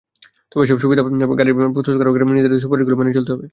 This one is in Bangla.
তবে এসব সুবিধা পেতে হলে গাড়ির প্রস্তুতকারকের নির্ধারিত সুপারিশগুলো মেনে চলতে হবে।